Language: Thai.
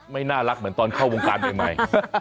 ไม่น่ารักเหมือนตอนเข้าวงการใหม่